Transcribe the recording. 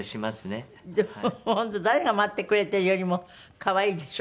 でも本当誰が待ってくれてるよりも可愛いでしょ？